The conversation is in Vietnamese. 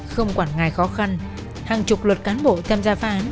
không quản ngại khó khăn hàng chục luật cán bộ tham gia phá án